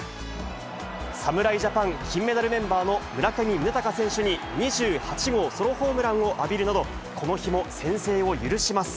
侍ジャパン金メダルメンバーの村上ゆたか選手に２８号ソロホームランを浴びるなど、この日も先制を許します。